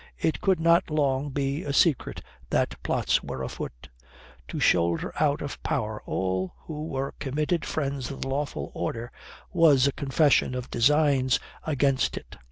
It could not long be a secret that plots were afoot. To shoulder out of power all who were committed friends of the lawful order was a confession of designs against it.